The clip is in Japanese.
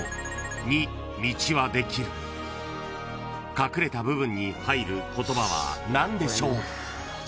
［隠れた部分に入る言葉は何でしょう？］